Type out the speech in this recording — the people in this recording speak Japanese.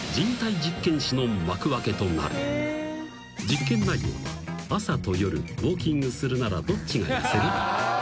［実験内容は「朝と夜ウオーキングするならどっちが痩せる？」というもの］